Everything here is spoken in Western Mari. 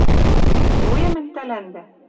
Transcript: Пуэм мӹнь тӓлӓндӓ